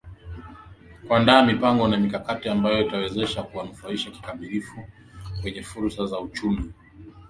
kuandaa mipango na mikakati ambayo itawawezesha kuwanufaisha kikamilifu kwenye fursa za uchumi wa bluu